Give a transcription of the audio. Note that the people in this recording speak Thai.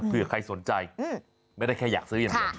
เพื่อใครสนใจอืมไม่ได้แค่อยากซื้ออีกอย่างแต่